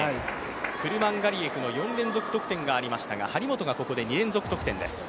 クルマンガリエフの４連続得点がありましたが張本がここで２連続得点です。